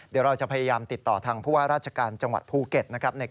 เดี๋ยวเราจะพยายามติดต่อทางผู้ว่าราชการจังหวัดภูเก็ตนะครับ